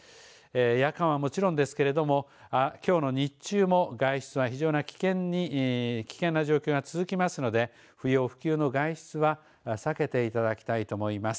夜間はもちろんですけれどもきょう日中も外出は非常に危険な状況が続きますので不要不急の外出は避けていただきたいと思います。